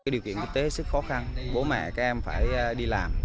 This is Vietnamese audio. điều kiện kinh tế sức khó khăn bố mẹ các em phải đi làm